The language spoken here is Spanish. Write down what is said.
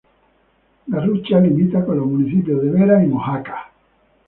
Garrucha limita con los municipios de Vera y Mojácar.